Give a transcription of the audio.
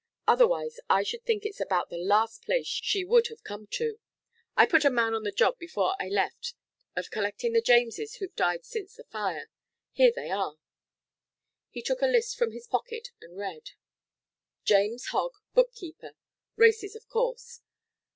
Otherwise, I should think it's about the last place she would have come to. I put a man on the job before I left of collecting the Jameses who've died since the fire. Here they are." He took a list from his pocket and read: "James Hogg, bookkeeper races, of course.